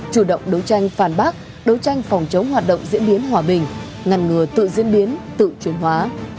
chủ động đấu tranh phản bác đấu tranh phòng chống hoạt động diễn biến hòa bình ngăn ngừa tự diễn biến tự chuyển hóa